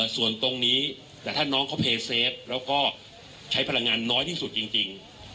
ส่วนตรงนี้แต่ถ้าน้องเขาเพย์เซฟแล้วก็ใช้พลังงานน้อยที่สุดจริง